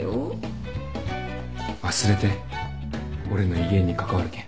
忘れて俺の威厳に関わるけん。